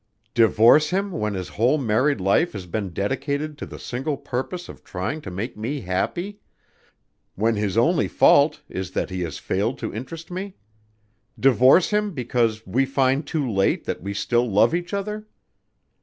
"Divorce him when his whole married life has been dedicated to the single purpose of trying to make me happy ... when his only fault is that he has failed to interest me?... Divorce him because we find too late that we still love each other?